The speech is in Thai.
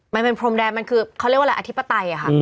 มันเป็นพรมแดนมันคือเขาเรียกว่าอะไรอธิปไตยค่ะ